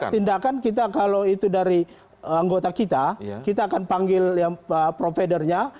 tindakan kita kalau itu dari anggota kita kita akan panggil providernya